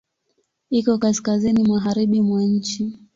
Iko kaskazini magharibi mwa nchi.